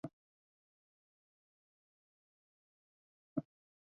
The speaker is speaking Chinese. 现在的孔代城堡则是法国的一个知名的观光景点。